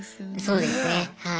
そうですねはい。